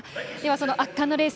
その圧巻のレース